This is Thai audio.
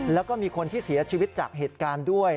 แล้วก็มีคนที่เสียชีวิตจากเหตุการณ์ด้วย